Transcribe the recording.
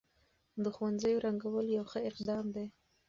د ښوونځيو رنګول يو ښه اقدام دی.